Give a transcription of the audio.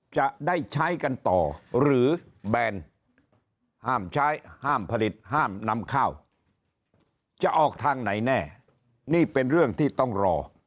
จะได้ใช้กันต่อหรือแบนห้ามใช้ห้ามผลิตห้ามนำข้าวจะออกทางไหนแน่นี่เป็นเรื่องที่ต้องรอ